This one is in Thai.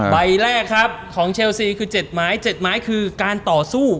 ใบแรกครับของเชลซีคือ๗ไม้๗ไม้คือการต่อสู้